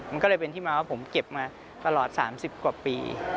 มันก็เลยเป็นที่มาว่าผมเก็บมาตลอด๓๐กว่าปี